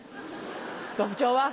特徴は？